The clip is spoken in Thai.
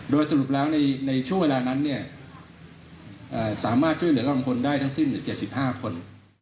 โดยสรุปแล้วในช่วงเวลานั้นสามารถช่วยเหลือกำลังพลได้ทั้งสิ้น๗๕คน